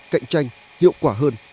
cạnh tranh hiệu quả hơn